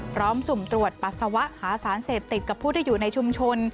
สุ่มตรวจปัสสาวะหาสารเสพติดกับผู้ที่อยู่ในชุมชน